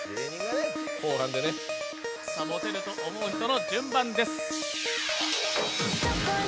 モテると思う人の順番です。